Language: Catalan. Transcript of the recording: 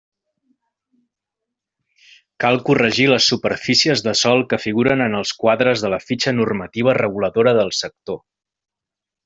Cal corregir les superfícies de sòl que figuren en els quadres de la fitxa normativa reguladora del sector.